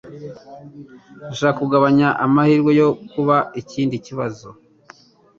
Ndashaka kugabanya amahirwe yo kuba ikindi kibazo.